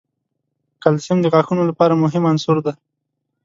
کلسیم د غاښونو لپاره مهم عنصر دی.